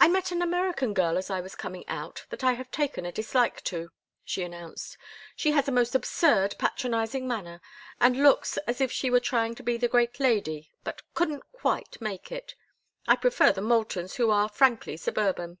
"I met an American girl as I was coming out that I have taken a dislike to," she announced. "She has a most absurd patronizing manner, and looks as if she were trying to be the great lady but couldn't quite make it. I prefer the Moultons, who are frankly suburban."